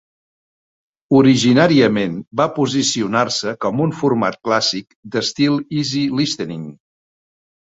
Originàriament, va posicionar-se com un format clàssic d'estil easy listening.